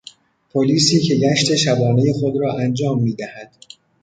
پلیسی که گشت شبانهی خود را انجام میدهد